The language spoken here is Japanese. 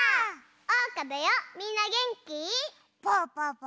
おうかだよみんなげんき？